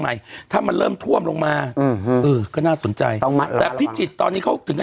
ไม่ต้องไปถึงประจิตหรอก